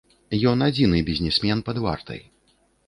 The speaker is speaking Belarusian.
Ён адзіны бізнесмен пад вартай.